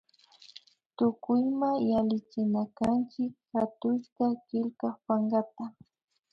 Tukuyma yallichinakanchik hatushka killka pankata